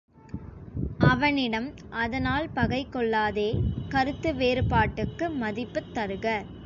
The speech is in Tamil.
அவனிடம் அதனால் பகை கொள்ளாதே கருத்து வேறுபாட்டுக்கு மதிப்புத் தருக.